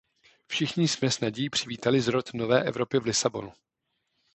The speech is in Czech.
Všichni jsme s nadějí přivítali zrod nové Evropy v Lisabonu.